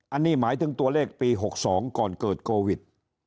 อันนี้หมายถึงตัวเลขปี๖๒ก่อนเกิดโควิด